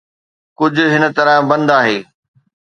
ڪجهه هن طرح بند آهي